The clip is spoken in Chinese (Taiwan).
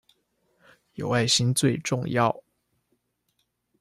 有愛心最重要